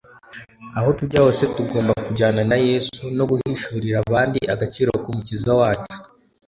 . Aho tujya hose, tugomba kujyana na Yesu, no guhishurira abandi agaciro k’Umukiza wacu